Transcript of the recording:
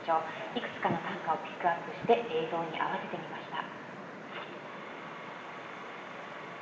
いくつかの短歌をピックアップして映像に合わせてみました。